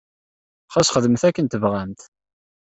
Ɣas xedmet akken tebɣamt.